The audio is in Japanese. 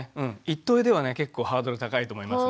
「行っといで」はね結構ハードル高いと思いますね。